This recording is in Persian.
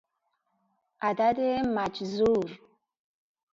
عدد مجذور